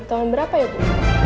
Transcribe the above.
tahun berapa ya bu